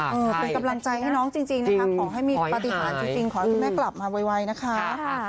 เป็นกำลังใจให้น้องจริงนะคะขอให้มีปฏิหารจริงขอให้คุณแม่กลับมาไวนะคะ